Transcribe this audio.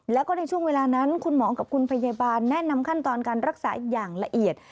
แล้วก็ในช่วงเวลานั้นคุณหมอกับคุณพยาบาลแนะนำขั้นตอนการรักษาอย่างละเอียด